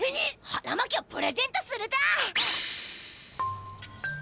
はらまきをプレゼントするだ！